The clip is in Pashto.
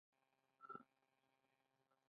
یو شخص چې خپل ځان ته ارزښت ورکوي، هغه ښه شخصیت لري.